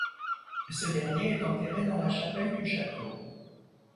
Ce dernier est enterré dans la chapelle du château.